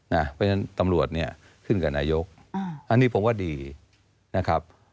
เพราะฉะนั้นตำรวจเนี่ยขึ้นกับนายกอันนี้ผมว่าดีนะครับ